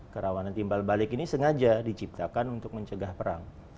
kerawanan timbal balik ini sengaja diciptakan untuk mencegah perang